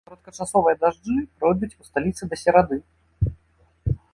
Кароткачасовыя дажджы пройдуць у сталіцы да серады.